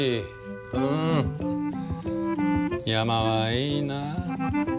うん山はいいな。